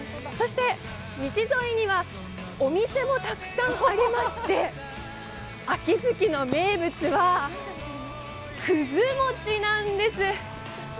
そして道沿いにはお店もたくさんありまして秋月の名物は葛餅なんです。